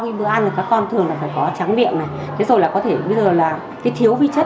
khi bữa ăn thì các con thường là phải có trắng miệng này thế rồi là có thể bây giờ là cái thiếu vi chất